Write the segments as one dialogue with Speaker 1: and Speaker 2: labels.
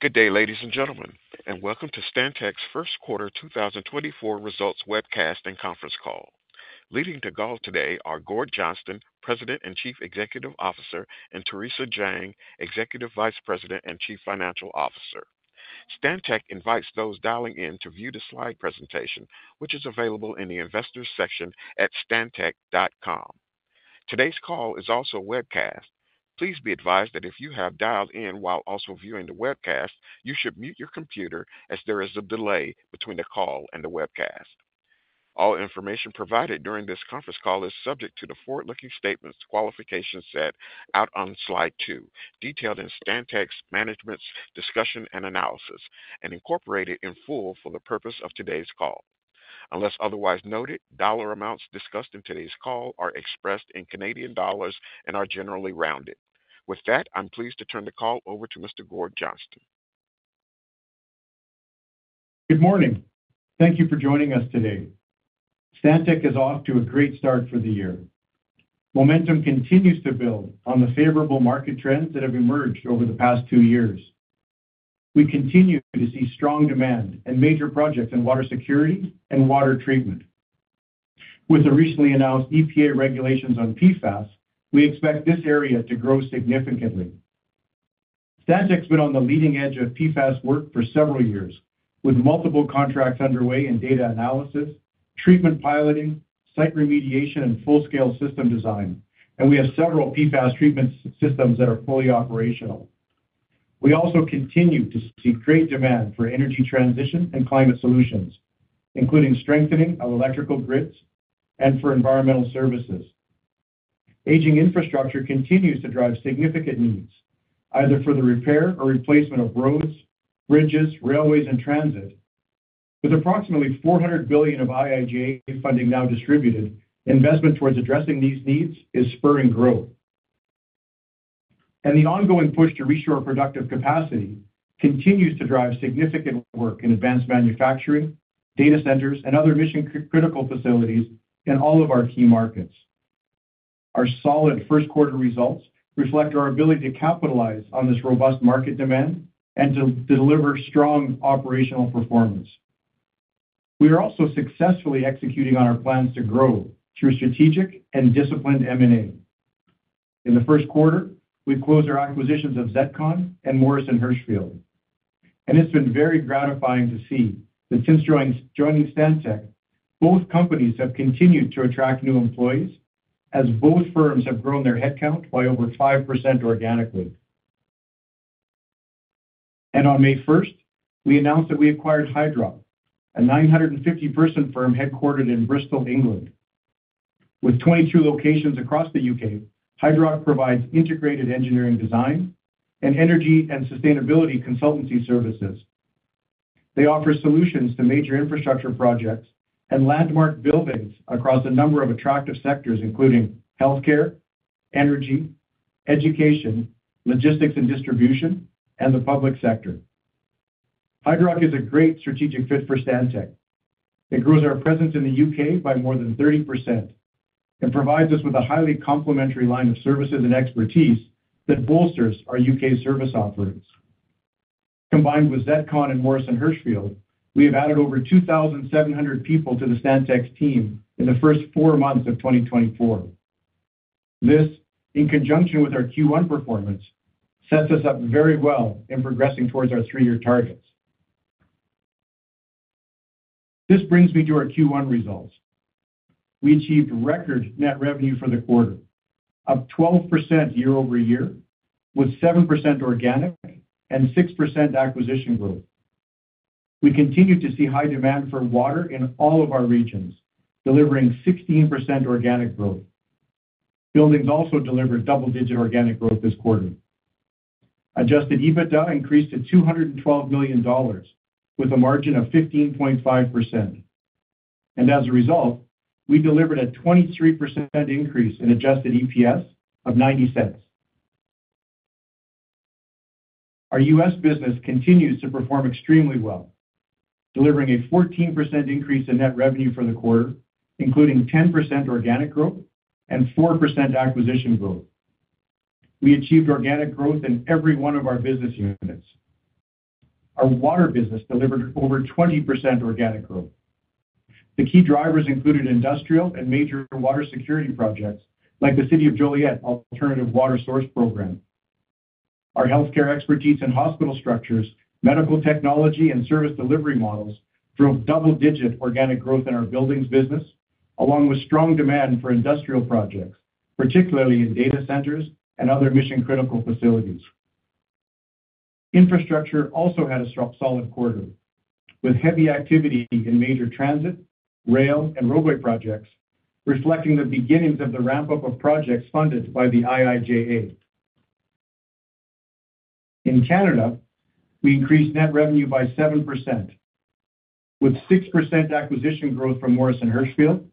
Speaker 1: Good day, ladies and gentlemen, and welcome to Stantec's first quarter 2024 results webcast and conference call. Leading the call today are Gord Johnston, President and Chief Executive Officer, and Theresa Jang, Executive Vice President and Chief Financial Officer. Stantec invites those dialing in to view the slide presentation, which is available in the Investors section at stantec.com. Today's call is also a webcast. Please be advised that if you have dialed in while also viewing the webcast, you should mute your computer as there is a delay between the call and the webcast. All information provided during this conference call is subject to the forward-looking statements qualification set out on slide 2, detailed in Stantec's management's discussion and analysis, and incorporated in full for the purpose of today's call. Unless otherwise noted, dollar amounts discussed in today's call are expressed in Canadian dollars and are generally rounded. With that, I'm pleased to turn the call over to Mr. Gord Johnston.
Speaker 2: Good morning. Thank you for joining us today. Stantec is off to a great start for the year. Momentum continues to build on the favorable market trends that have emerged over the past two years. We continue to see strong demand in major projects in water security and water treatment. With the recently announced EPA regulations on PFAS, we expect this area to grow significantly. Stantec's been on the leading edge of PFAS work for several years, with multiple contracts underway in data analysis, treatment piloting, site remediation, and full-scale system design, and we have several PFAS treatment systems that are fully operational. We also continue to see great demand for energy transition and climate solutions, including strengthening of electrical grids and for environmental services. Aging infrastructure continues to drive significant needs, either for the repair or replacement of roads, bridges, railways, and transit. With approximately 400 billion of IIJA funding now distributed, investment towards addressing these needs is spurring growth. The ongoing push to reshore productive capacity continues to drive significant work in advanced manufacturing, data centers, and other mission-critical facilities in all of our key markets. Our solid first quarter results reflect our ability to capitalize on this robust market demand and to deliver strong operational performance. We are also successfully executing on our plans to grow through strategic and disciplined M&A. In the first quarter, we closed our acquisitions of ZETCON and Morrison Hershfield. It's been very gratifying to see that since joining Stantec, both companies have continued to attract new employees, as both firms have grown their headcount by over 5% organically. On May 1st, we announced that we acquired Hydrock, a 950-person firm headquartered in Bristol, England. With 22 locations across the U.K., Hydrock provides integrated engineering design and energy and sustainability consultancy services. They offer solutions to major infrastructure projects and landmark buildings across a number of attractive sectors, including healthcare, energy, education, logistics and distribution, and the public sector. Hydrock is a great strategic fit for Stantec. It grows our presence in the U.K. by more than 30% and provides us with a highly complementary line of services and expertise that bolsters our U.K. service offerings. Combined with ZETCON and Morrison Hershfield, we have added over 2,700 people to Stantec's team in the first four months of 2024. This, in conjunction with our Q1 performance, sets us up very well in progressing towards our three-year targets. This brings me to our Q1 results. We achieved record net revenue for the quarter, up 12% year-over-year with 7% organic and 6% acquisition growth. We continue to see high demand for water in all of our regions, delivering 16% organic growth. Buildings also delivered double-digit organic growth this quarter. Adjusted EBITDA increased to 212 million dollars with a margin of 15.5%. As a result, we delivered a 23% increase in adjusted EPS of 0.90. Our U.S. business continues to perform extremely well, delivering a 14% increase in net revenue for the quarter, including 10% organic growth and 4% acquisition growth. We achieved organic growth in every one of our business units. Our water business delivered over 20% organic growth. The key drivers included industrial and major water security projects like the City of Joliet Alternative Water Source Program. Our healthcare expertise in hospital structures, medical technology, and service delivery models drove double-digit organic growth in our buildings business, along with strong demand for industrial projects, particularly in data centers and other mission-critical facilities. Infrastructure also had a solid quarter, with heavy activity in major transit, rail, and roadway projects, reflecting the beginnings of the ramp-up of projects funded by the IIJA. In Canada, we increased net revenue by 7% with 6% acquisition growth from Morrison Hershfield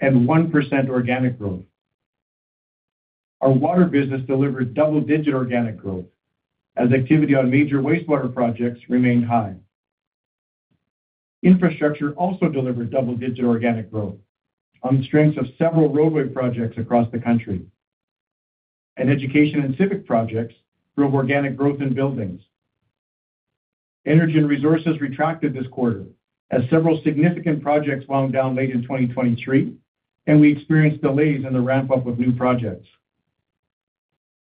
Speaker 2: and 1% organic growth. Our water business delivered double-digit organic growth, as activity on major wastewater projects remained high. Infrastructure also delivered double-digit organic growth on the strengths of several roadway projects across the country. And education and civic projects drove organic growth in buildings. Energy and resources retracted this quarter, as several significant projects wound down late in 2023, and we experienced delays in the ramp-up of new projects.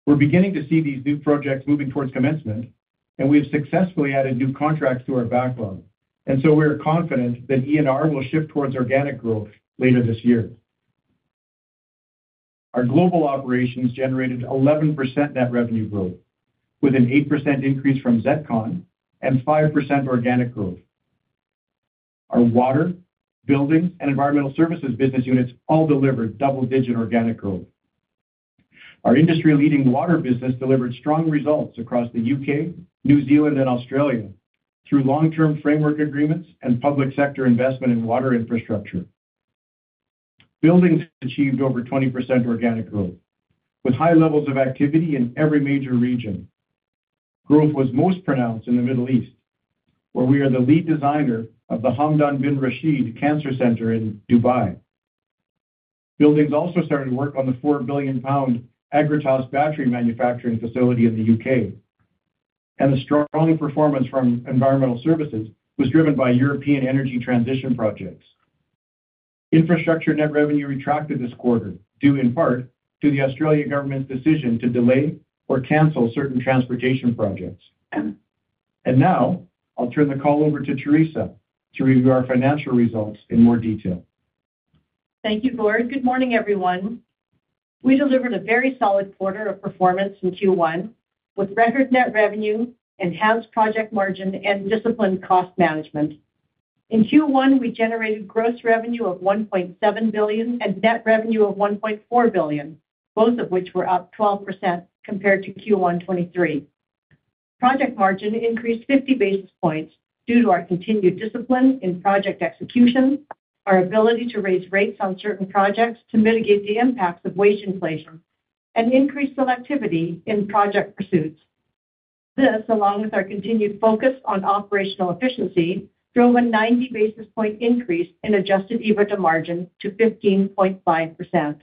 Speaker 2: We're beginning to see these new projects moving towards commencement, and we have successfully added new contracts to our backlog, and so we're confident that E&R will shift towards organic growth later this year. Our global operations generated 11% net revenue growth, with an 8% increase from ZETCON and 5% organic growth. Our water, buildings, and environmental services business units all delivered double-digit organic growth. Our industry-leading water business delivered strong results across the U.K., New Zealand, and Australia through long-term framework agreements and public sector investment in water infrastructure. Buildings achieved over 20% organic growth, with high levels of activity in every major region. Growth was most pronounced in the Middle East, where we are the lead designer of the Hamdan Bin Rashid Cancer Hospital in Dubai. Buildings also started work on the 4 billion pound Agratas battery manufacturing facility in the U.K. The strong performance from environmental services was driven by European energy transition projects. Infrastructure net revenue retracted this quarter, due in part to the Australian government's decision to delay or cancel certain transportation projects. Now I'll turn the call over to Theresa to review our financial results in more detail.
Speaker 3: Thank you, Gord. Good morning, everyone. We delivered a very solid quarter of performance in Q1, with record net revenue, enhanced project margin, and disciplined cost management. In Q1, we generated gross revenue of 1.7 billion and net revenue of 1.4 billion, both of which were up 12% compared to Q1 2023. Project margin increased 50 basis points due to our continued discipline in project execution, our ability to raise rates on certain projects to mitigate the impacts of wage inflation, and increased selectivity in project pursuits. This, along with our continued focus on operational efficiency, drove a 90 basis point increase in adjusted EBITDA margin to 15.5%.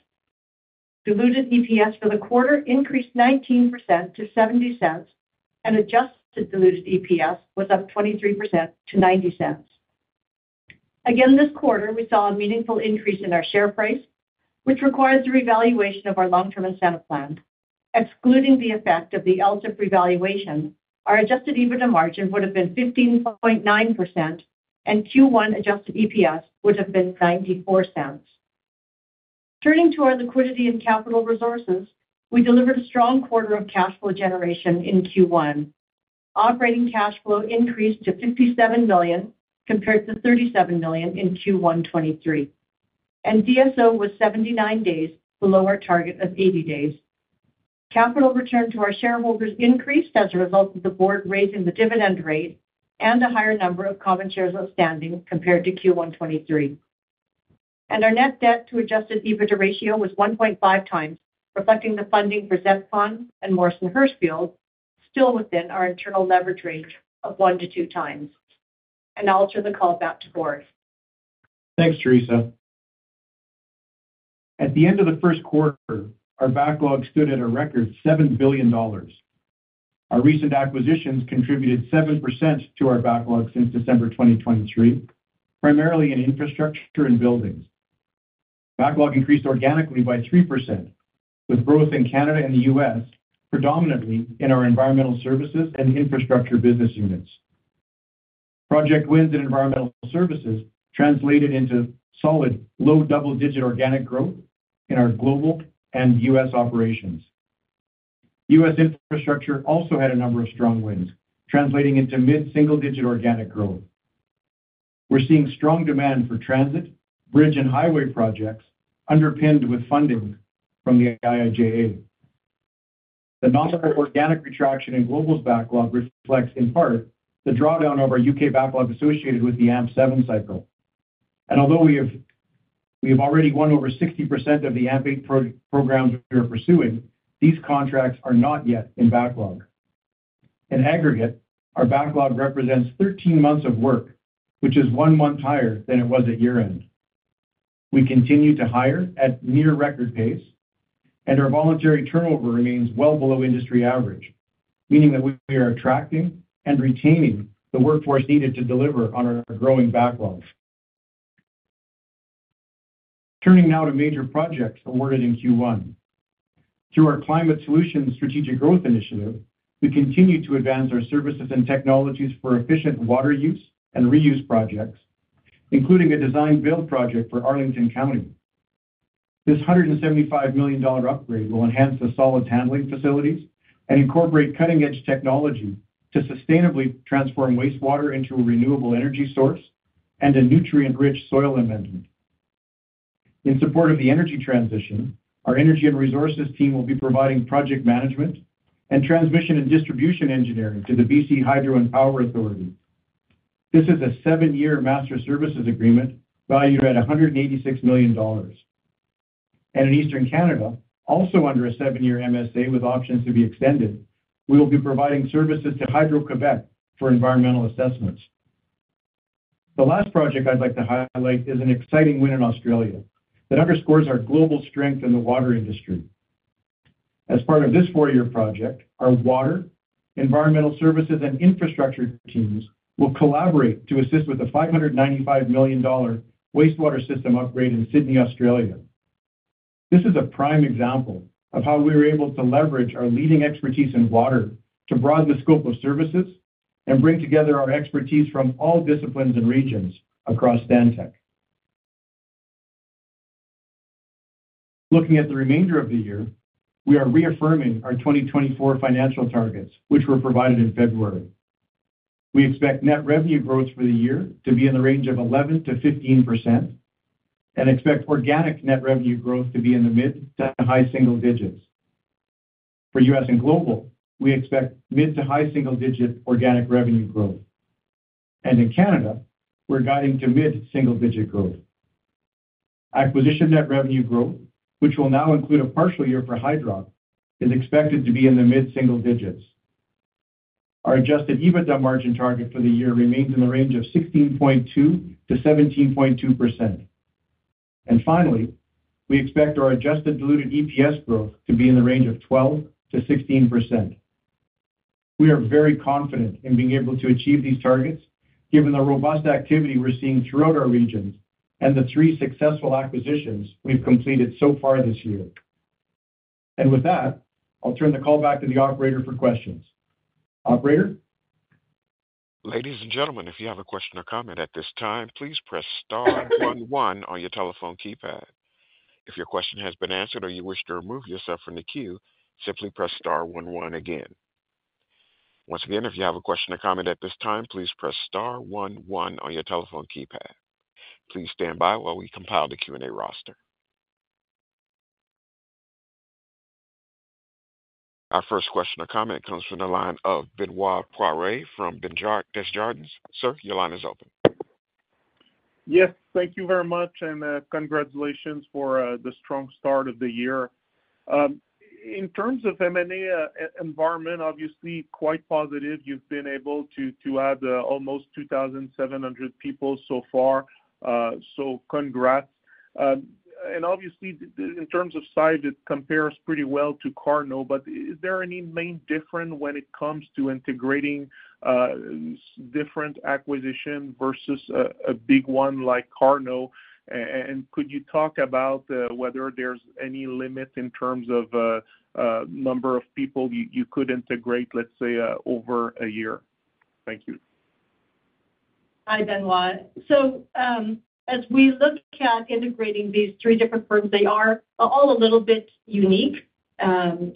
Speaker 3: Diluted EPS for the quarter increased 19% to 0.70, and adjusted diluted EPS was up 23% to 0.90. Again, this quarter, we saw a meaningful increase in our share price, which required the revaluation of our long-term incentive plan. Excluding the effect of the LTIP revaluation, our adjusted EBITDA margin would have been 15.9%, and Q1 adjusted EPS would have been 0.94. Turning to our liquidity and capital resources, we delivered a strong quarter of cash flow generation in Q1. Operating cash flow increased to 57 million compared to 37 million in Q1 2023, and DSO was 79 days below our target of 80 days. Capital return to our shareholders increased as a result of the board raising the dividend rate and a higher number of common shares outstanding compared to Q1 2023. Our net debt to adjusted EBITDA ratio was 1.5x, reflecting the funding for ZETCON and Morrison Hershfield, still within our internal leverage range of 1x-2x. I'll turn the call back to Gord.
Speaker 2: Thanks, Theresa. At the end of the first quarter, our backlog stood at a record 7 billion dollars. Our recent acquisitions contributed 7% to our backlog since December 2023, primarily in infrastructure and buildings. Backlog increased organically by 3%, with growth in Canada and the U.S. predominantly in our environmental services and infrastructure business units. Project wins in environmental services translated into solid, low double-digit organic growth in our global and U.S. operations. U.S. infrastructure also had a number of strong wins, translating into mid-single-digit organic growth. We're seeing strong demand for transit, bridge, and highway projects underpinned with funding from the IIJA. The nominal organic retraction in global's backlog reflects, in part, the drawdown of our U.K. backlog associated with the AMP7 cycle. And although we have already won over 60% of the AMP8 programs we are pursuing, these contracts are not yet in backlog. In aggregate, our backlog represents 13 months of work, which is one month higher than it was at year-end. We continue to hire at near-record pace, and our voluntary turnover remains well below industry average, meaning that we are attracting and retaining the workforce needed to deliver on our growing backlog. Turning now to major projects awarded in Q1. Through our Climate Solutions Strategic Growth Initiative, we continue to advance our services and technologies for efficient water use and reuse projects, including a design-build project for Arlington County. This 175 million dollar upgrade will enhance the solid handling facilities and incorporate cutting-edge technology to sustainably transform wastewater into a renewable energy source and a nutrient-rich soil amendment. In support of the energy transition, our energy and resources team will be providing project management and transmission and distribution engineering to the BC Hydro and Power Authority. This is a seven-year master services agreement valued at 186 million dollars. In Eastern Canada, also under a seven-year MSA with options to be extended, we will be providing services to Hydro-Québec for environmental assessments. The last project I'd like to highlight is an exciting win in Australia that underscores our global strength in the water industry. As part of this four-year project, our water, environmental services, and infrastructure teams will collaborate to assist with the 595 million dollar wastewater system upgrade in Sydney, Australia. This is a prime example of how we were able to leverage our leading expertise in water to broaden the scope of services and bring together our expertise from all disciplines and regions across Stantec. Looking at the remainder of the year, we are reaffirming our 2024 financial targets, which were provided in February. We expect net revenue growth for the year to be in the range of 11%-15% and expect organic net revenue growth to be in the mid- to high-single digits. For U.S. and global, we expect mid- to high-single-digit organic revenue growth. In Canada, we're guiding to mid-single-digit growth. Acquisition net revenue growth, which will now include a partial year for Hydrock, is expected to be in the mid-single digits. Our adjusted EBITDA margin target for the year remains in the range of 16.2%-17.2%. Finally, we expect our adjusted diluted EPS growth to be in the range of 12%-16%. We are very confident in being able to achieve these targets given the robust activity we're seeing throughout our regions and the three successful acquisitions we've completed so far this year. With that, I'll turn the call back to the operator for questions. Operator?
Speaker 1: Ladies and gentlemen, if you have a question or comment at this time, please press star one one on your telephone keypad. If your question has been answered or you wish to remove yourself from the queue, simply press star one one again. Once again, if you have a question or comment at this time, please press star one one on your telephone keypad. Please stand by while we compile the Q&A roster. Our first question or comment comes from the line of Benoit Poirier from Desjardins. Sir, your line is open.
Speaker 4: Yes. Thank you very much, and congratulations for the strong start of the year. In terms of M&A environment, obviously quite positive. You've been able to add almost 2,700 people so far, so congrats. And obviously, in terms of size, it compares pretty well to Cardno. But is there any main difference when it comes to integrating different acquisitions versus a big one like Cardno? And could you talk about whether there's any limit in terms of number of people you could integrate, let's say, over a year? Thank you.
Speaker 3: Hi, Benoit. So as we look at integrating these three different firms, they are all a little bit unique and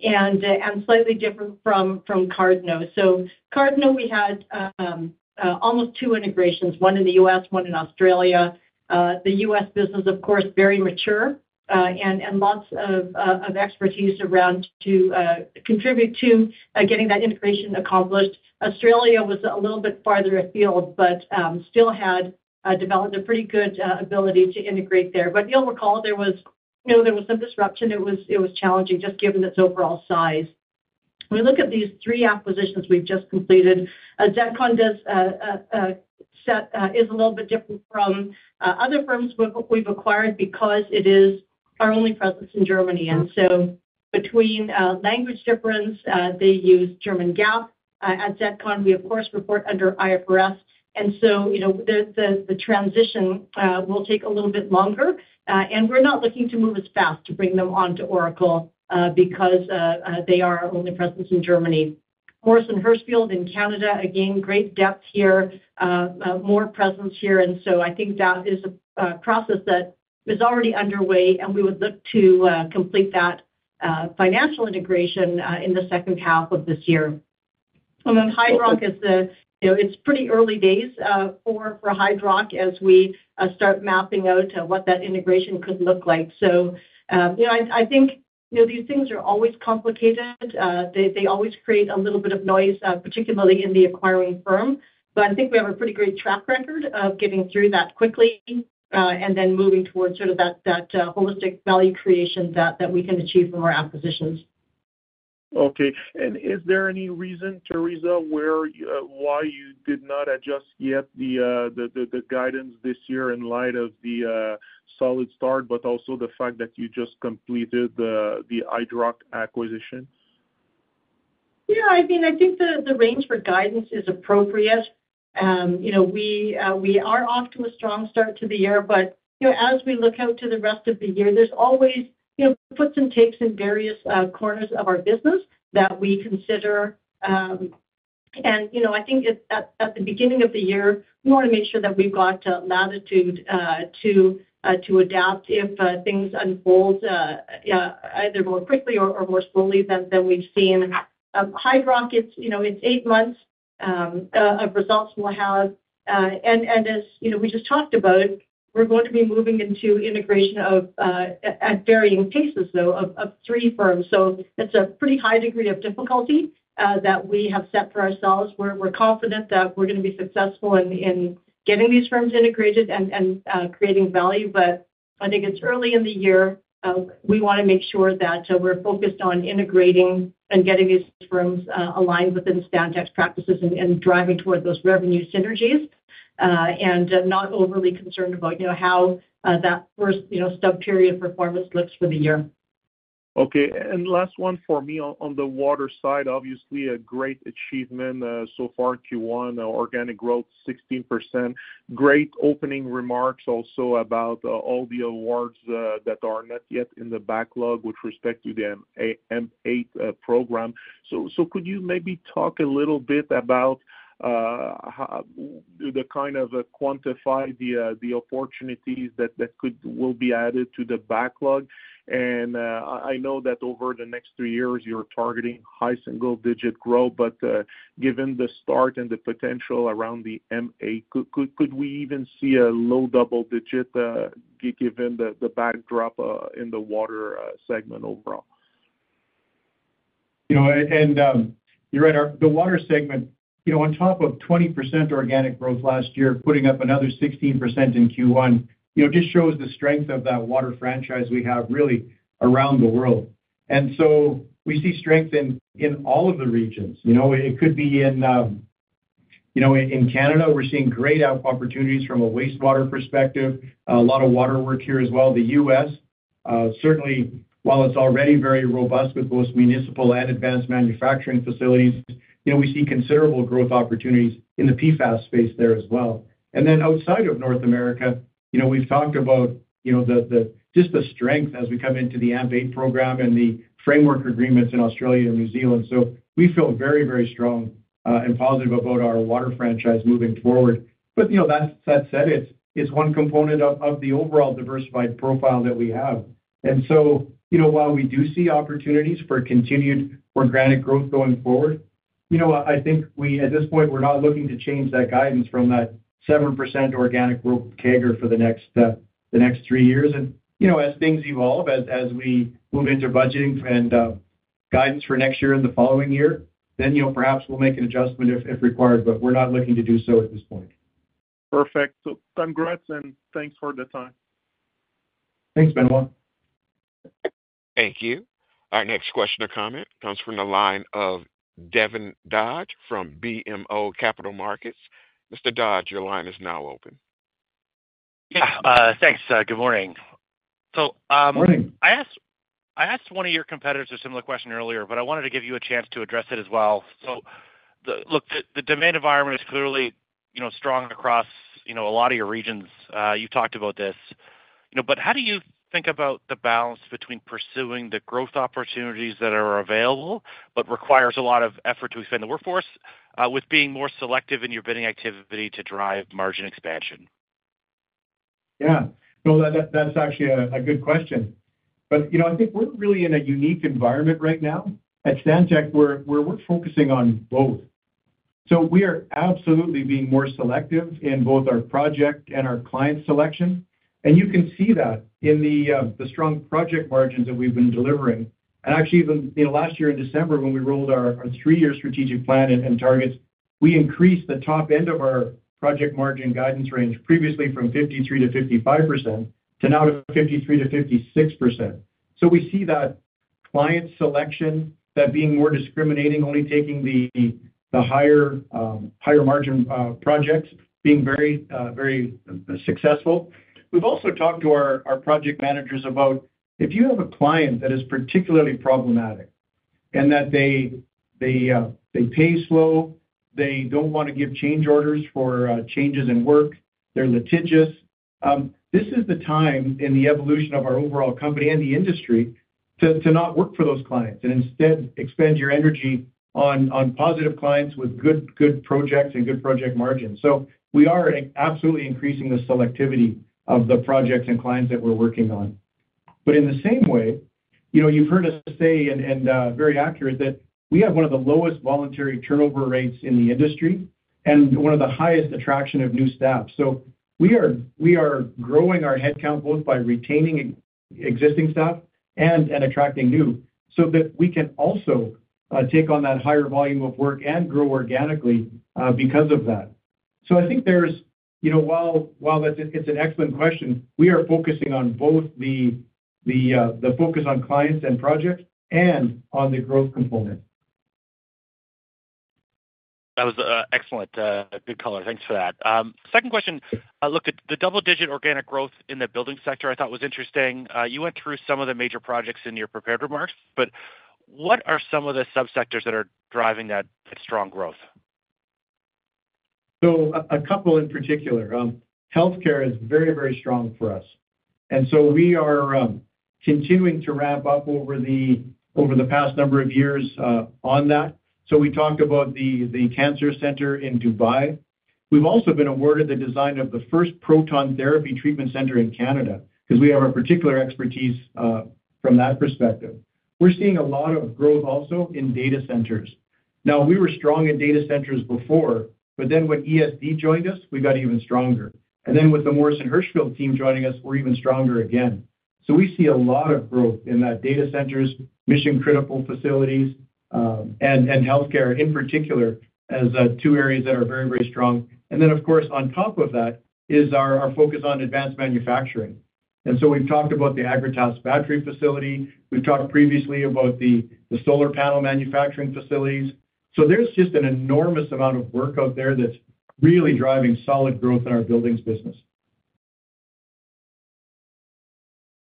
Speaker 3: slightly different from Cardno. So Cardno, we had almost two integrations, one in the U.S., one in Australia. The U.S. business, of course, very mature and lots of expertise around to contribute to getting that integration accomplished. Australia was a little bit farther afield but still had developed a pretty good ability to integrate there. But you'll recall there was some disruption. It was challenging just given its overall size. When we look at these three acquisitions we've just completed, ZETCON is a little bit different from other firms we've acquired because it is our only presence in Germany. And so between language difference, they use German GAAP. At ZETCON, we, of course, report under IFRS. And so the transition will take a little bit longer. We're not looking to move as fast to bring them onto Oracle because they are our only presence in Germany. Morrison Hershfield in Canada, again, great depth here, more presence here. And so I think that is a process that is already underway, and we would look to complete that financial integration in the second half of this year. And then Hydrock is. It's pretty early days for Hydrock as we start mapping out what that integration could look like. So I think these things are always complicated. They always create a little bit of noise, particularly in the acquiring firm. But I think we have a pretty great track record of getting through that quickly and then moving towards sort of that holistic value creation that we can achieve from our acquisitions.
Speaker 4: Okay. Is there any reason, Theresa, why you did not adjust yet the guidance this year in light of the solid start but also the fact that you just completed the Hydrock acquisition?
Speaker 3: Yeah. I mean, I think the range for guidance is appropriate. We are off to a strong start to the year. But as we look out to the rest of the year, there's always puts and takes in various corners of our business that we consider. And I think at the beginning of the year, we want to make sure that we've got latitude to adapt if things unfold either more quickly or more slowly than we've seen. Hydrock, it's eight months of results we'll have. And as we just talked about, we're going to be moving into integration at varying paces, though, of three firms. So it's a pretty high degree of difficulty that we have set for ourselves. We're confident that we're going to be successful in getting these firms integrated and creating value. But I think it's early in the year. We want to make sure that we're focused on integrating and getting these firms aligned within Stantec's practices and driving toward those revenue synergies and not overly concerned about how that first stub period performance looks for the year.
Speaker 4: Okay. And last one for me on the water side, obviously a great achievement so far in Q1, organic growth 16%. Great opening remarks also about all the awards that are not yet in the backlog with respect to the AMP8 program. So could you maybe talk a little bit about the kind of quantify the opportunities that will be added to the backlog? And I know that over the next three years, you're targeting high single-digit growth. But given the start and the potential around the AMP8, could we even see a low double-digit given the backdrop in the water segment overall?
Speaker 2: You're right. The water segment, on top of 20% organic growth last year, putting up another 16% in Q1 just shows the strength of that water franchise we have really around the world. So we see strength in all of the regions. It could be in Canada. We're seeing great opportunities from a wastewater perspective, a lot of water work here as well. The U.S., certainly, while it's already very robust with both municipal and advanced manufacturing facilities, we see considerable growth opportunities in the PFAS space there as well. Then outside of North America, we've talked about just the strength as we come into the AMP8 program and the framework agreements in Australia and New Zealand. So we feel very, very strong and positive about our water franchise moving forward. But that said, it's one component of the overall diversified profile that we have. So while we do see opportunities for continued organic growth going forward, I think at this point, we're not looking to change that guidance from that 7% organic growth target for the next three years. As things evolve, as we move into budgeting and guidance for next year and the following year, then perhaps we'll make an adjustment if required. But we're not looking to do so at this point.
Speaker 4: Perfect. So congrats and thanks for the time.
Speaker 2: Thanks, Benoit.
Speaker 1: Thank you. Our next question or comment comes from the line of Devin Dodge from BMO Capital Markets. Mr. Dodge, your line is now open.
Speaker 5: Yeah. Thanks. Good morning. So I asked one of your competitors a similar question earlier, but I wanted to give you a chance to address it as well. So look, the demand environment is clearly strong across a lot of your regions. You've talked about this. But how do you think about the balance between pursuing the growth opportunities that are available but requires a lot of effort to expand the workforce with being more selective in your bidding activity to drive margin expansion?
Speaker 2: Yeah. No, that's actually a good question. But I think we're really in a unique environment right now. At Stantec, we're focusing on both. So we are absolutely being more selective in both our project and our client selection. And you can see that in the strong project margins that we've been delivering. And actually, even last year in December, when we rolled our three-year strategic plan and targets, we increased the top end of our project margin guidance range previously from 53%-55% to now to 53%-56%. So we see that client selection, that being more discriminating, only taking the higher margin projects, being very, very successful. We've also talked to our project managers about if you have a client that is particularly problematic and that they pay slow, they don't want to give change orders for changes in work, they're litigious, this is the time in the evolution of our overall company and the industry to not work for those clients and instead expend your energy on positive clients with good projects and good project margins. So we are absolutely increasing the selectivity of the projects and clients that we're working on. But in the same way, you've heard us say and very accurate that we have one of the lowest voluntary turnover rates in the industry and one of the highest attraction of new staff. So we are growing our headcount both by retaining existing staff and attracting new so that we can also take on that higher volume of work and grow organically because of that. So I think while it's an excellent question, we are focusing on both the focus on clients and projects and on the growth component.
Speaker 5: That was excellent. Good color. Thanks for that. Second question. Look, the double-digit organic growth in the building sector, I thought, was interesting. You went through some of the major projects in your prepared remarks. But what are some of the subsectors that are driving that strong growth?
Speaker 2: So a couple in particular. Healthcare is very, very strong for us. And so we are continuing to ramp up over the past number of years on that. So we talked about the cancer center in Dubai. We've also been awarded the design of the first proton therapy treatment center in Canada because we have our particular expertise from that perspective. We're seeing a lot of growth also in data centers. Now, we were strong in data centers before. But then when ESD joined us, we got even stronger. And then with the Morrison Hershfield team joining us, we're even stronger again. So we see a lot of growth in that data centers, mission-critical facilities, and healthcare in particular as two areas that are very, very strong. And then, of course, on top of that is our focus on advanced manufacturing. And so we've talked about the Agratas battery facility. We've talked previously about the solar panel manufacturing facilities. There's just an enormous amount of work out there that's really driving solid growth in our buildings business.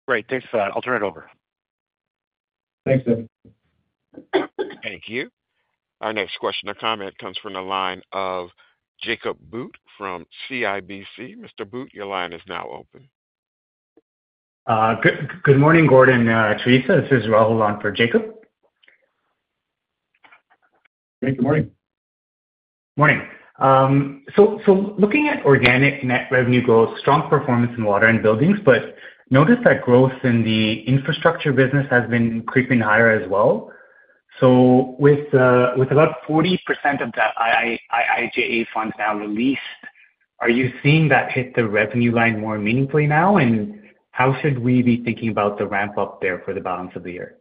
Speaker 5: Great. Thanks for that. I'll turn it over.
Speaker 2: Thanks, Devin.
Speaker 1: Thank you. Our next question or comment comes from the line of Jacob Bout from CIBC. Mr. Bout, your line is now open.
Speaker 6: Good morning, Gord, Theresa. This is Rahul on for Jacob.
Speaker 2: Hey. Good morning.
Speaker 6: Morning. So looking at organic net revenue growth, strong performance in water and buildings. But notice that growth in the infrastructure business has been creeping higher as well. So with about 40% of the IIJA funds now released, are you seeing that hit the revenue line more meaningfully now? And how should we be thinking about the ramp-up there for the balance of the year?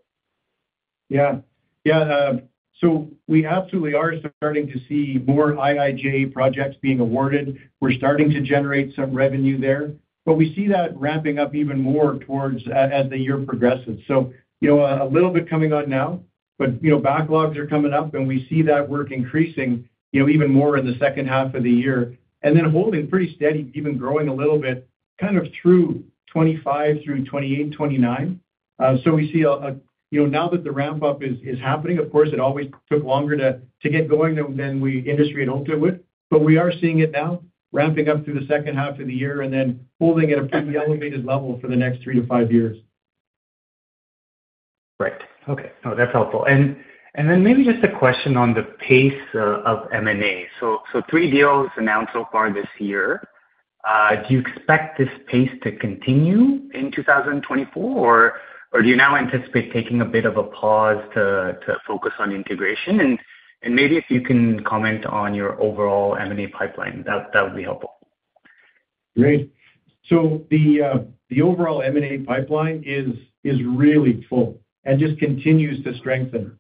Speaker 2: Yeah. Yeah. So we absolutely are starting to see more IIJA projects being awarded. We're starting to generate some revenue there. But we see that ramping up even more as the year progresses. So a little bit coming on now, but backlogs are coming up. And we see that work increasing even more in the second half of the year and then holding pretty steady, even growing a little bit kind of through 2025 through 2028, 2029. So we see now that the ramp-up is happening, of course, it always took longer to get going than the industry had hoped it would. But we are seeing it now ramping up through the second half of the year and then holding at a pretty elevated level for the next three to five years.
Speaker 6: Great. Okay. No, that's helpful. And then maybe just a question on the pace of M&A. So three deals announced so far this year. Do you expect this pace to continue in 2024, or do you now anticipate taking a bit of a pause to focus on integration? And maybe if you can comment on your overall M&A pipeline, that would be helpful.
Speaker 2: Great. The overall M&A pipeline is really full and just continues to strengthen.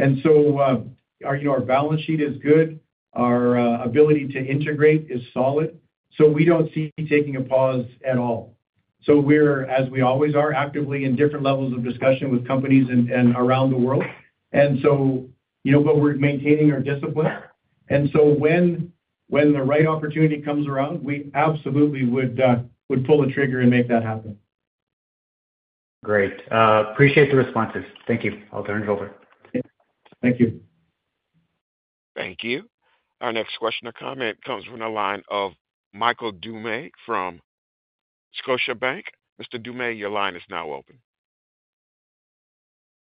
Speaker 2: Our balance sheet is good. Our ability to integrate is solid. We don't see taking a pause at all. We're, as we always are, actively in different levels of discussion with companies and around the world. We're maintaining our discipline. When the right opportunity comes around, we absolutely would pull the trigger and make that happen.
Speaker 6: Great. Appreciate the responses. Thank you. I'll turn it over.
Speaker 2: Thank you.
Speaker 1: Thank you. Our next question or comment comes from the line of Michael Doumet from Scotiabank. Mr. Doumet, your line is now open.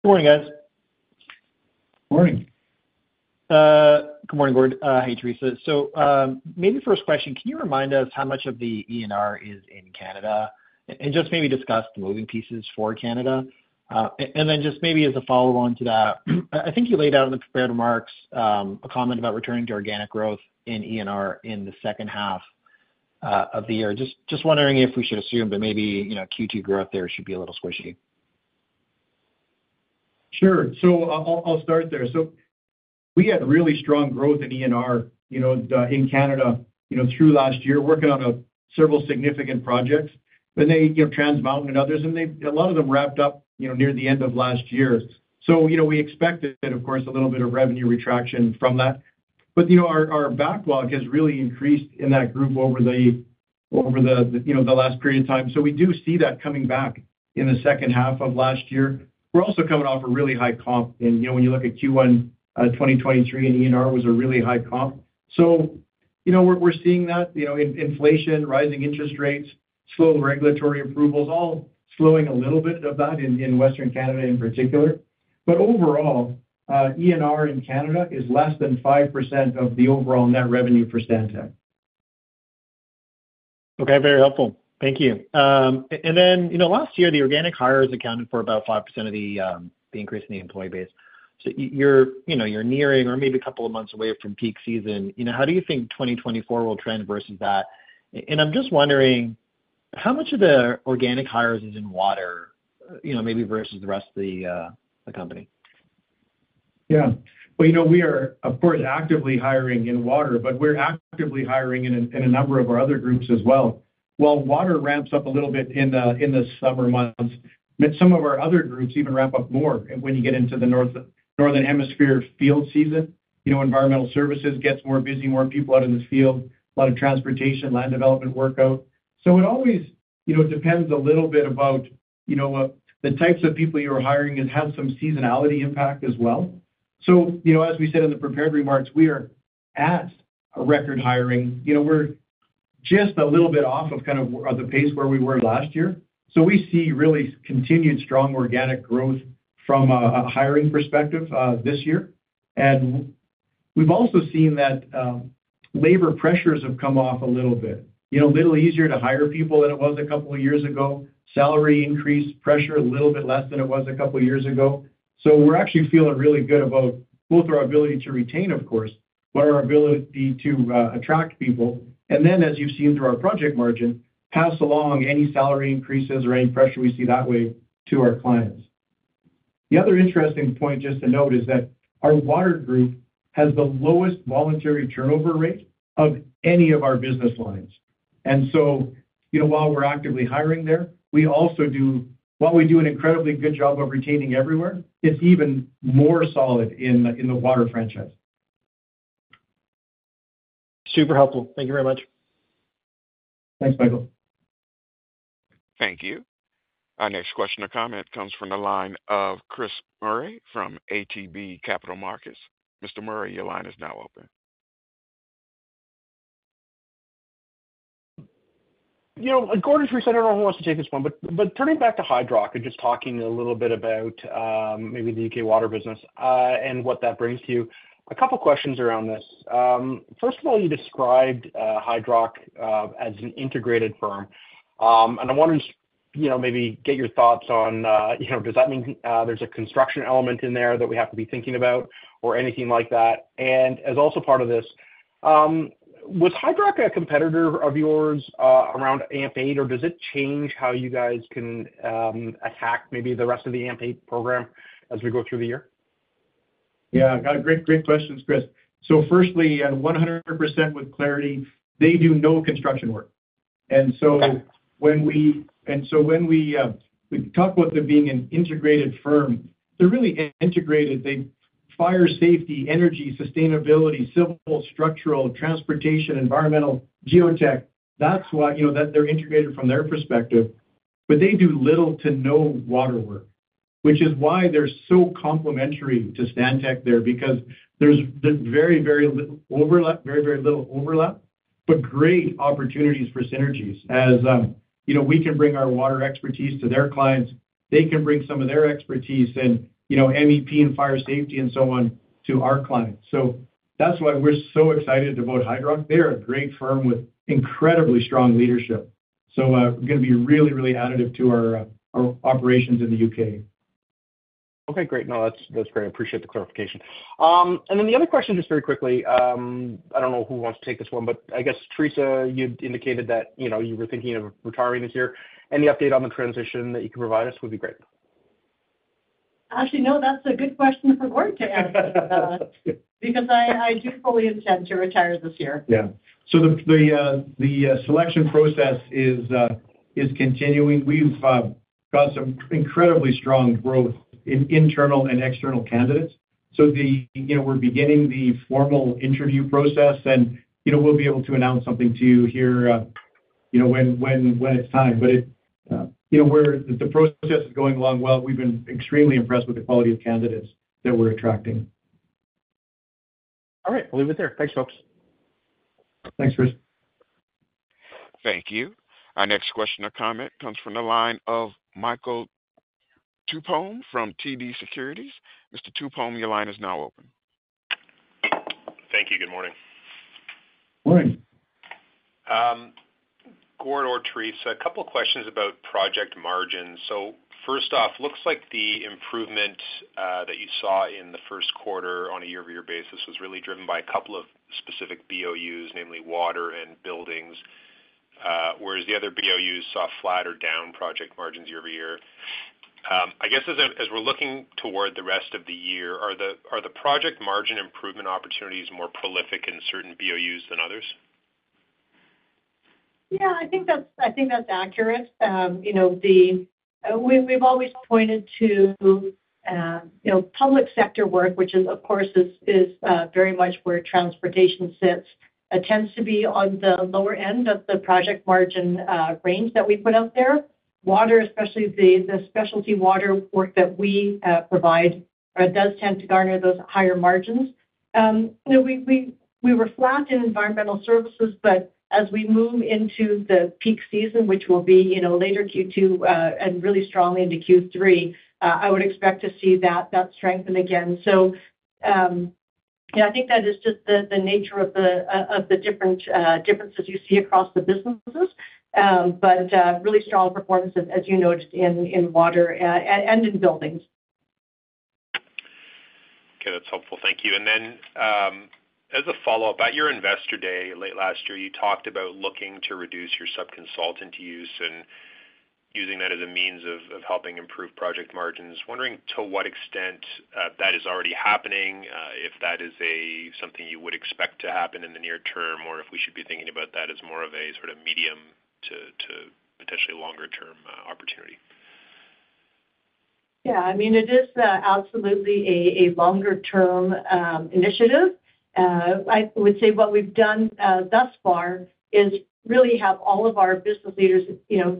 Speaker 7: Good morning, guys.
Speaker 2: Morning.
Speaker 7: Good morning, Gord. Hey, Theresa. So maybe first question, can you remind us how much of the E&R is in Canada and just maybe discuss the moving pieces for Canada? And then just maybe as a follow-on to that, I think you laid out in the prepared remarks a comment about returning to organic growth in E&R in the second half of the year. Just wondering if we should assume, but maybe Q2 growth there should be a little squishy?
Speaker 2: Sure. So I'll start there. So we had really strong growth in E&R in Canada through last year, working on several significant projects. Then Trans Mountain and others, and a lot of them wrapped up near the end of last year. So we expected, of course, a little bit of revenue contraction from that. But our backlog has really increased in that group over the last period of time. So we do see that coming back in the second half of last year. We're also coming off a really high comp. And when you look at Q1 2023, E&R was a really high comp. So we're seeing that, inflation, rising interest rates, slow regulatory approvals, all slowing a little bit of that in Western Canada in particular. But overall, E&R in Canada is less than 5% of the overall net revenue for Stantec.
Speaker 7: Okay. Very helpful. Thank you. And then last year, the organic hires accounted for about 5% of the increase in the employee base. So you're nearing or maybe a couple of months away from peak season. How do you think 2024 will traverse that? And I'm just wondering, how much of the organic hires is in water maybe versus the rest of the company?
Speaker 2: Yeah. Well, we are, of course, actively hiring in water, but we're actively hiring in a number of our other groups as well. While water ramps up a little bit in the summer months, some of our other groups even ramp up more when you get into the northern hemisphere field season. Environmental services gets more busy, more people out in the field, a lot of transportation, land development workout. So it always depends a little bit about the types of people you're hiring have some seasonality impact as well. So as we said in the prepared remarks, we are at a record hiring. We're just a little bit off of kind of the pace where we were last year. So we see really continued strong organic growth from a hiring perspective this year. And we've also seen that labor pressures have come off a little bit. A little easier to hire people than it was a couple of years ago, salary increase pressure a little bit less than it was a couple of years ago. So we're actually feeling really good about both our ability to retain, of course, but our ability to attract people and then, as you've seen through our project margin, pass along any salary increases or any pressure we see that way to our clients. The other interesting point just to note is that our water group has the lowest voluntary turnover rate of any of our business lines. So while we're actively hiring there, while we do an incredibly good job of retaining everywhere, it's even more solid in the water franchise.
Speaker 7: Super helpful. Thank you very much.
Speaker 2: Thanks, Michael.
Speaker 1: Thank you. Our next question or comment comes from the line of Chris Murray from ATB Capital Markets. Mr. Murray, your line is now open.
Speaker 8: Gord, Theresa, I don't know who wants to take this one. Turning back to Hydrock and just talking a little bit about maybe the U.K. water business and what that brings to you, a couple of questions around this. First of all, you described Hydrock as an integrated firm. And I wanted to maybe get your thoughts on, does that mean there's a construction element in there that we have to be thinking about or anything like that? And as also part of this, was Hydrock a competitor of yours around AMP 8, or does it change how you guys can attack maybe the rest of the AMP 8 program as we go through the year?
Speaker 2: Yeah. Great questions, Chris. So firstly, with 100% clarity, they do no construction work. And so when we talk about them being an integrated firm, they're really integrated. They fire safety, energy, sustainability, civil, structural, transportation, environmental, geotech, that's why they're integrated from their perspective. But they do little to no water work, which is why they're so complementary to Stantec there because there's very, very little overlap, but great opportunities for synergies. As we can bring our water expertise to their clients, they can bring some of their expertise in MEP and fire safety and so on to our clients. So that's why we're so excited about Hydrock. They're a great firm with incredibly strong leadership. So we're going to be really, really additive to our operations in the U.K.
Speaker 8: Okay. Great. No, that's great. I appreciate the clarification. And then the other question, just very quickly, I don't know who wants to take this one, but I guess Theresa, you indicated that you were thinking of retiring this year. Any update on the transition that you can provide us would be great?
Speaker 3: Actually, no, that's a good question for Gord to answer because I do fully intend to retire this year.
Speaker 2: Yeah. So the selection process is continuing. We've got some incredibly strong growth in internal and external candidates. So we're beginning the formal interview process. And we'll be able to announce something to you here when it's time. But the process is going along well. We've been extremely impressed with the quality of candidates that we're attracting.
Speaker 8: All right. I'll leave it there. Thanks, folks.
Speaker 2: Thanks, Chris.
Speaker 1: Thank you. Our next question or comment comes from the line of Michael Tupholme from TD Securities. Mr. Tupholme, your line is now open.
Speaker 9: Thank you. Good morning.
Speaker 2: Morning.
Speaker 9: Gord or Theresa, a couple of questions about project margins. First off, looks like the improvement that you saw in the first quarter on a year-over-year basis was really driven by a couple of specific BOUs, namely water and buildings, whereas the other BOUs saw flatter down project margins year over year. I guess as we're looking toward the rest of the year, are the project margin improvement opportunities more prolific in certain BOUs than others?
Speaker 3: Yeah. I think that's accurate. We've always pointed to public sector work, which, of course, is very much where transportation sits, tends to be on the lower end of the project margin range that we put out there. Water, especially the specialty water work that we provide, does tend to garner those higher margins. We were flat in environmental services. But as we move into the peak season, which will be later Q2 and really strongly into Q3, I would expect to see that strengthen again. So I think that is just the nature of the differences you see across the businesses, but really strong performance, as you noted, in water and in buildings.
Speaker 9: Okay. That's helpful. Thank you. And then as a follow-up, at your investor day late last year, you talked about looking to reduce your subconsultant use and using that as a means of helping improve project margins. Wondering to what extent that is already happening, if that is something you would expect to happen in the near term, or if we should be thinking about that as more of a sort of medium to potentially longer-term opportunity?
Speaker 3: Yeah. I mean, it is absolutely a longer-term initiative. I would say what we've done thus far is really have all of our business leaders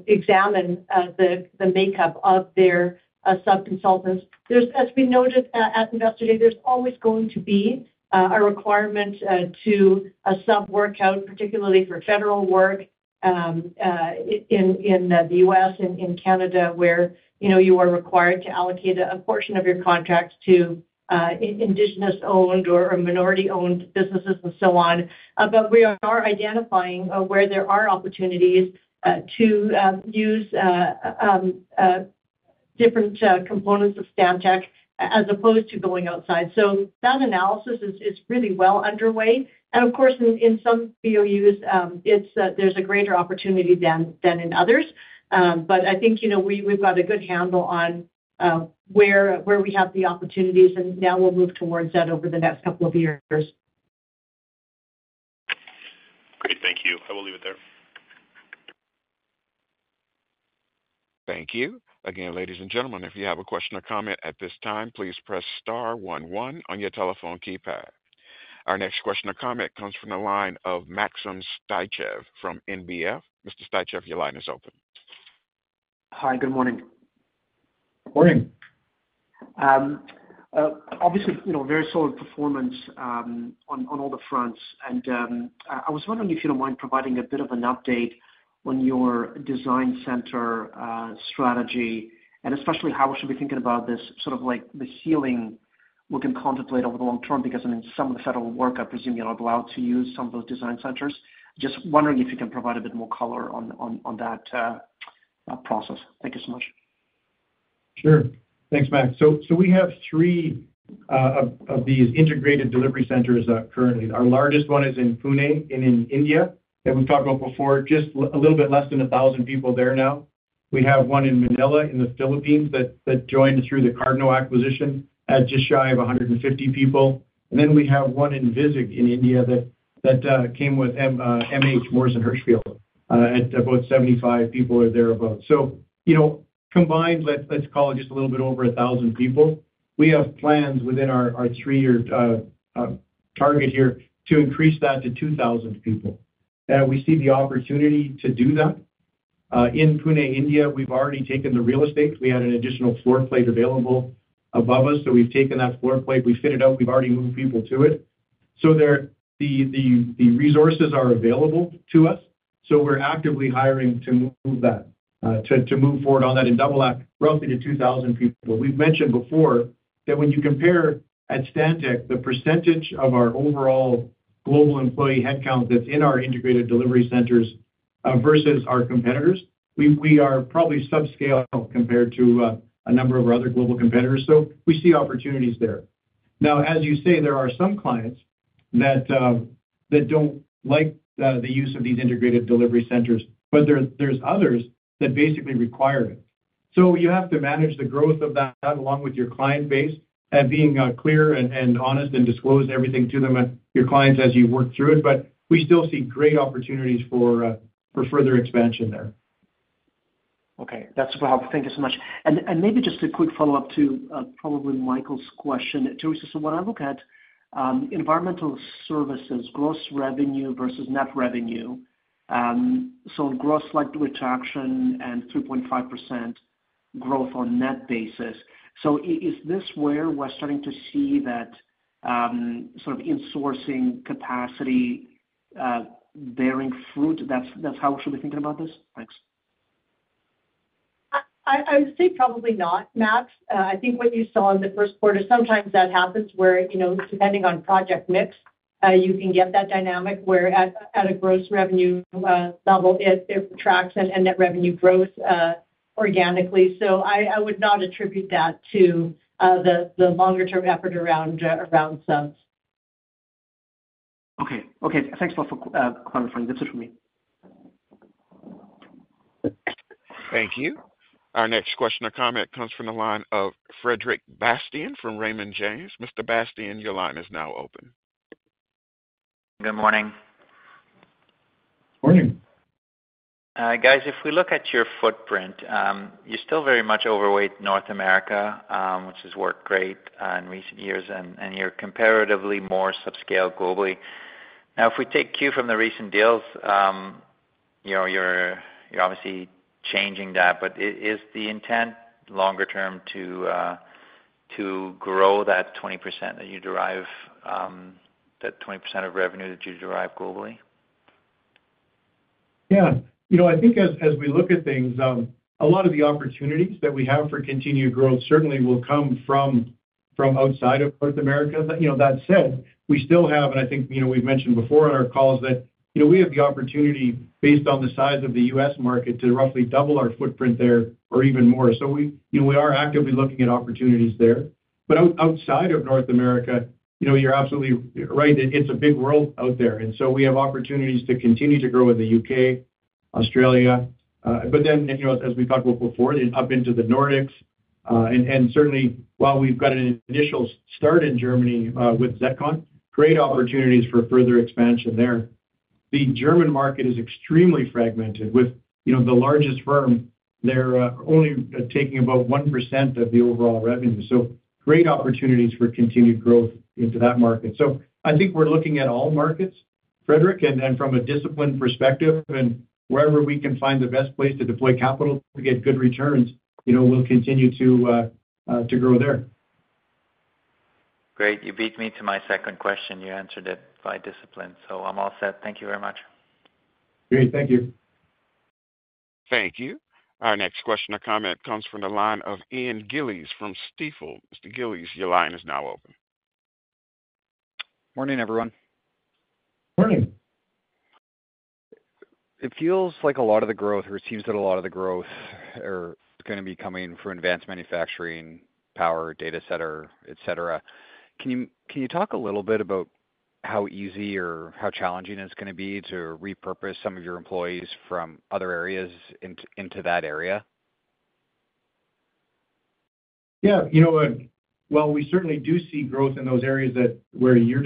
Speaker 3: examine the makeup of their subconsultants. As we noted at investor day, there's always going to be a requirement to sub-workout, particularly for federal work in the U.S., in Canada, where you are required to allocate a portion of your contracts to indigenous-owned or minority-owned businesses and so on. But we are identifying where there are opportunities to use different components of Stantec as opposed to going outside. So that analysis is really well underway. And of course, in some BOUs, there's a greater opportunity than in others. But I think we've got a good handle on where we have the opportunities. And now we'll move towards that over the next couple of years.
Speaker 9: Great. Thank you. I will leave it there.
Speaker 1: Thank you. Again, ladies and gentlemen, if you have a question or comment at this time, please press star one one on your telephone keypad. Our next question or comment comes from the line of Maxim Sytchev from NBF. Mr. Sytchev, your line is open.
Speaker 10: Hi. Good morning.
Speaker 2: Morning.
Speaker 10: Obviously, very solid performance on all the fronts. I was wondering if you don't mind providing a bit of an update on your design center strategy and especially how we should be thinking about this sort of like the ceiling we can contemplate over the long term because I mean, some of the federal work, I presume, you're not allowed to use some of those design centers. Just wondering if you can provide a bit more color on that process. Thank you so much.
Speaker 2: Sure. Thanks, Max. So we have three of these integrated delivery centers currently. Our largest one is in Pune in India that we've talked about before, just a little bit less than 1,000 people there now. We have one in Manila in the Philippines that joined through the Cardno acquisition at just shy of 150 people. And then we have one in Vizag in India that came with MH, Morrison Hershfield, at about 75 people or thereabouts. So combined, let's call it just a little bit over 1,000 people. We have plans within our three-year target here to increase that to 2,000 people. We see the opportunity to do that. In Pune, India, we've already taken the real estate. We had an additional floor plate available above us. So we've taken that floor plate. We've fitted out. We've already moved people to it. So the resources are available to us. So we're actively hiring to move that, to move forward on that and double that roughly to 2,000 people. We've mentioned before that when you compare at Stantec the percentage of our overall global employee headcount that's in our integrated delivery centers versus our competitors, we are probably subscale compared to a number of our other global competitors. So you have to manage the growth of that along with your client base and being clear and honest and disclose everything to them, your clients, as you work through it. But we still see great opportunities for further expansion there.
Speaker 10: Okay. That's super helpful. Thank you so much. Maybe just a quick follow-up to probably Michael's question. Theresa, so when I look at environmental services, gross revenue versus net revenue, so gross, slight reduction and 3.5% growth on net basis, so is this where we're starting to see that sort of insourcing capacity bearing fruit? That's how we should be thinking about this? Thanks.
Speaker 3: I would say probably not, Max. I think what you saw in the first quarter, sometimes that happens where, depending on project mix, you can get that dynamic where at a gross revenue level, it attracts and net revenue grows organically. So I would not attribute that to the longer-term effort around subs.
Speaker 10: Okay. Okay. Thanks for clarifying. That's it from me.
Speaker 1: Thank you. Our next question or comment comes from the line of Frederic Bastien from Raymond James. Mr. Bastien, your line is now open.
Speaker 11: Good morning.
Speaker 2: Morning.
Speaker 11: Guys, if we look at your footprint, you still very much overweight North America, which has worked great in recent years, and you're comparatively more subscale globally. Now, if we take cue from the recent deals, you're obviously changing that. But is the intent longer-term to grow that 20% that you derive, that 20% of revenue that you derive globally?
Speaker 2: Yeah. I think as we look at things, a lot of the opportunities that we have for continued growth certainly will come from outside of North America. That said, we still have and I think we've mentioned before on our calls that we have the opportunity, based on the size of the U.S. market, to roughly double our footprint there or even more. So we are actively looking at opportunities there. But outside of North America, you're absolutely right that it's a big world out there. And so we have opportunities to continue to grow in the U.K., Australia. But then, as we talked about before, then up into the Nordics. And certainly, while we've got an initial start in Germany with ZETCON, great opportunities for further expansion there. The German market is extremely fragmented. With the largest firm, they're only taking about 1% of the overall revenue. Great opportunities for continued growth into that market. I think we're looking at all markets, Frederic, and from a discipline perspective, and wherever we can find the best place to deploy capital to get good returns, we'll continue to grow there.
Speaker 11: Great. You beat me to my second question. You answered it by discipline. So I'm all set. Thank you very much.
Speaker 2: Great. Thank you.
Speaker 1: Thank you. Our next question or comment comes from the line of Ian Gillies from Stifel. Mr. Gillies, your line is now open.
Speaker 12: Morning, everyone.
Speaker 2: Morning.
Speaker 12: It feels like a lot of the growth or it seems that a lot of the growth is going to be coming for advanced manufacturing, power, data center, etc. Can you talk a little bit about how easy or how challenging it's going to be to repurpose some of your employees from other areas into that area?
Speaker 2: Yeah. You know what? While we certainly do see growth in those areas where you're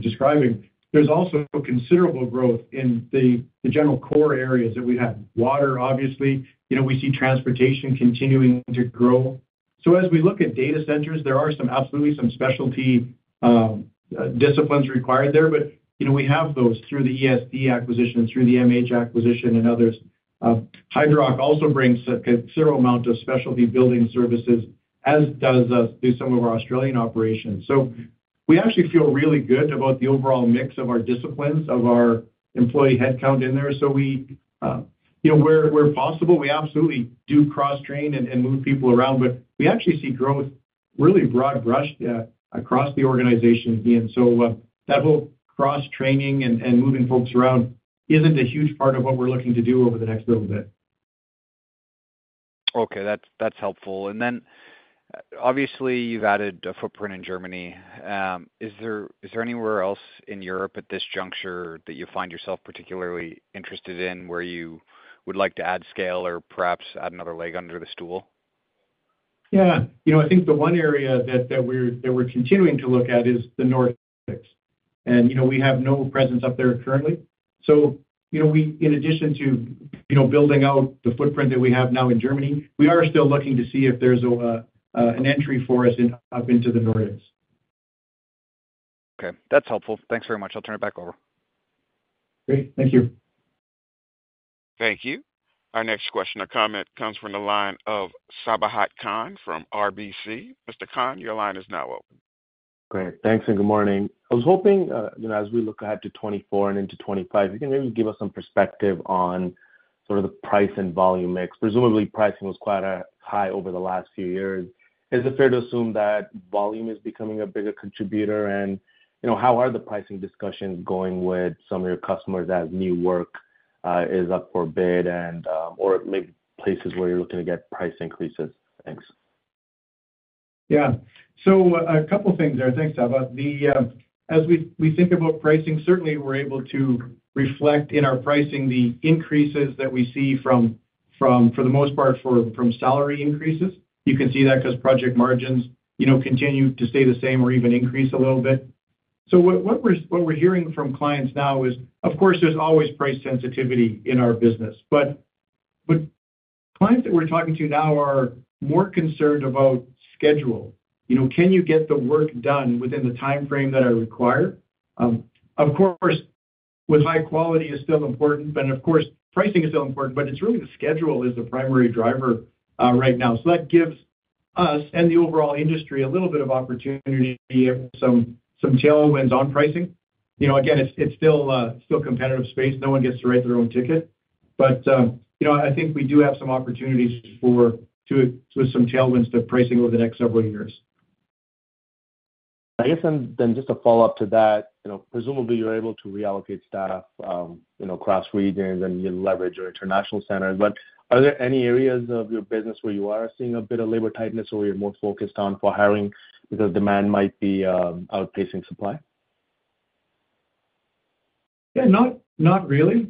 Speaker 2: describing, there's also considerable growth in the general core areas that we have. Water, obviously. We see transportation continuing to grow. So as we look at data centers, there are absolutely some specialty disciplines required there. But we have those through the ESD acquisition, through the MH acquisition, and others. Hydrock also brings a considerable amount of specialty building services, as does some of our Australian operations. So we actually feel really good about the overall mix of our disciplines, of our employee headcount in there. So where possible, we absolutely do cross-train and move people around. But we actually see growth really broad-brushed across the organization, Ian. So that whole cross-training and moving folks around isn't a huge part of what we're looking to do over the next little bit.
Speaker 12: Okay. That's helpful. And then obviously, you've added a footprint in Germany. Is there anywhere else in Europe at this juncture that you find yourself particularly interested in where you would like to add scale or perhaps add another leg under the stool?
Speaker 2: Yeah. I think the one area that we're continuing to look at is the Nordics. We have no presence up there currently. In addition to building out the footprint that we have now in Germany, we are still looking to see if there's an entry for us up into the Nordics.
Speaker 12: Okay. That's helpful. Thanks very much. I'll turn it back over.
Speaker 2: Great. Thank you.
Speaker 1: Thank you. Our next question or comment comes from the line of Sabahat Khan from RBC. Mr. Khan, your line is now open.
Speaker 13: Great. Thanks and good morning. I was hoping as we look ahead to 2024 and into 2025, if you can maybe give us some perspective on sort of the price and volume mix. Presumably, pricing was quite high over the last few years. Is it fair to assume that volume is becoming a bigger contributor? And how are the pricing discussions going with some of your customers as new work is up for bid or maybe places where you're looking to get price increases? Thanks.
Speaker 2: Yeah. So a couple of things there. Thanks, Sabahat. As we think about pricing, certainly, we're able to reflect in our pricing the increases that we see from, for the most part, from salary increases. You can see that because project margins continue to stay the same or even increase a little bit. So what we're hearing from clients now is, of course, there's always price sensitivity in our business. But clients that we're talking to now are more concerned about schedule. Can you get the work done within the timeframe that I require? Of course, with high quality is still important. And of course, pricing is still important. But it's really the schedule is the primary driver right now. So that gives us and the overall industry a little bit of opportunity and some tailwinds on pricing. Again, it's still competitive space. No one gets to write their own ticket. But I think we do have some opportunities with some tailwinds to pricing over the next several years.
Speaker 13: I guess then just a follow-up to that, presumably, you're able to reallocate staff across regions, and you leverage your international centers. But are there any areas of your business where you are seeing a bit of labor tightness or where you're more focused on for hiring because demand might be outpacing supply?
Speaker 2: Yeah. Not really.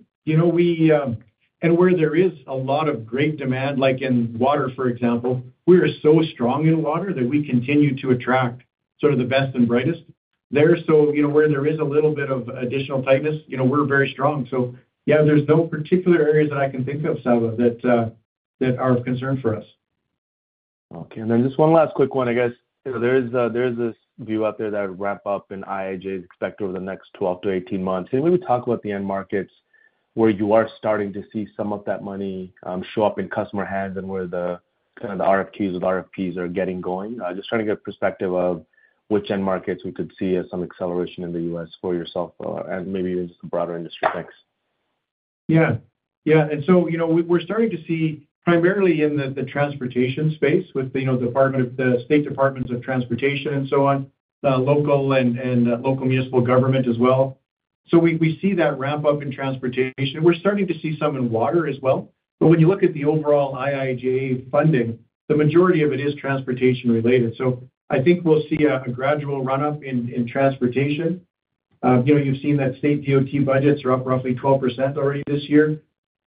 Speaker 2: Where there is a lot of great demand, like in water, for example, we are so strong in water that we continue to attract sort of the best and brightest there. So where there is a little bit of additional tightness, we're very strong. So yeah, there's no particular areas that I can think of, Sabahat, that are of concern for us.
Speaker 13: Okay. And then just one last quick one, I guess. There is this view out there that ramp-up in IIJA is expected over the next 12-18 months. Can you maybe talk about the end markets where you are starting to see some of that money show up in customer hands and where kind of the RFQs with RFPs are getting going? Just trying to get a perspective of which end markets we could see as some acceleration in the U.S. for yourself and maybe even just the broader industry. Thanks.
Speaker 2: Yeah. Yeah. And so we're starting to see primarily in the transportation space with the state departments of transportation and so on, local and local municipal government as well. So we see that ramp-up in transportation. We're starting to see some in water as well. But when you look at the overall IIJA funding, the majority of it is transportation-related. So I think we'll see a gradual run-up in transportation. You've seen that state DOT budgets are up roughly 12% already this year.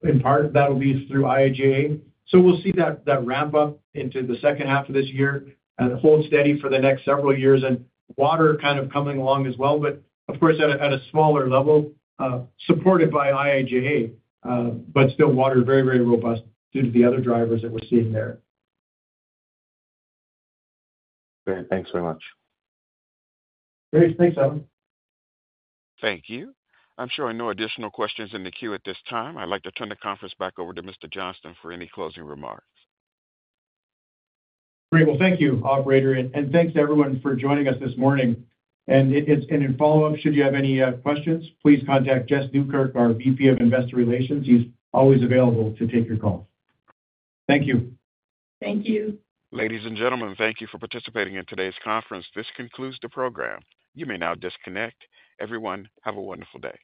Speaker 2: And part of that will be through IIJA. So we'll see that ramp-up into the second half of this year and hold steady for the next several years and water kind of coming along as well, but of course, at a smaller level, supported by IIJA, but still water very, very robust due to the other drivers that we're seeing there.
Speaker 13: Great. Thanks very much.
Speaker 2: Great. Thanks, Sabahat.
Speaker 1: Thank you. I'm sure there are additional questions in the queue at this time. I'd like to turn the conference back over to Mr. Johnston for any closing remarks.
Speaker 2: Great. Well, thank you, operator. Thanks, everyone, for joining us this morning. In follow-up, should you have any questions, please contact Jess Nieukerk, our VP of Investor Relations. He's always available to take your call. Thank you.
Speaker 3: Thank you.
Speaker 1: Ladies and gentlemen, thank you for participating in today's conference. This concludes the program. You may now disconnect. Everyone, have a wonderful day.